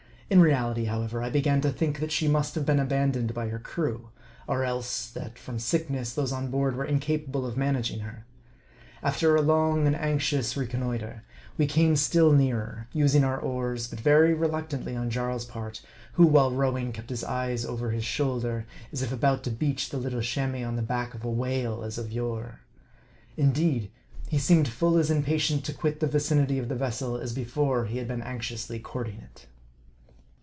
In reality, however, I began to think that she must have been abandoned by her crew ; or else, that from sickness, those on board were in capable of managing her. After a long and anxious reconnoiter, we came still nearer, using our oars, but very reluctantly on Jarl's part ; who, while rowing, kept his eyes over his shoulder, as if about to beach the little Chamois on the back of a whale as of yore. Indeed, he seemed full as impatient to quit the vicinity of the vessel, as before he had been anxiously courting it.